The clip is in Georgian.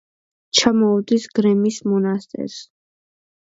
ჩამოუდის გრემის მონასტერს.